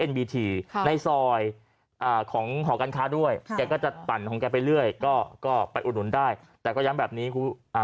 เดี๋ยวเขาจะมาจับมายึดอีกเนอะ